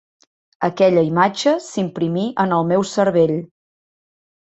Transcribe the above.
Aquella imatge s'imprimí en el meu cervell.